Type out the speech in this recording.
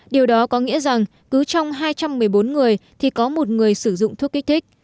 điều đó có nghĩa rằng cứ trong hai trăm một mươi bốn người thì có một người sử dụng thuốc kích thích